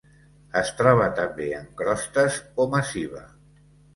Es troba també en crostes o massiva.